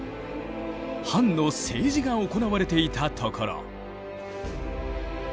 藩の政治が行われていたところ。